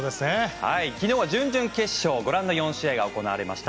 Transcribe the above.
昨日は準々決勝ご覧の４試合が行われました。